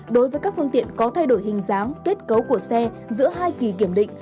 đối với các phương tiện có thay đổi hình dáng kết cấu của xe giữa hai kỳ kiểm định